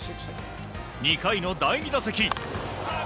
２回の第２打席。